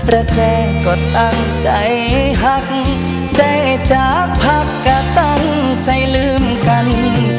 แรกก็ตั้งใจหักได้จากพักก็ตั้งใจลืมกัน